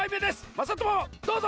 まさともどうぞ！